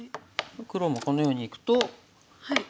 黒もこのようにいくと。